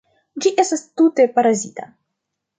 Ĝi estas tute parazita.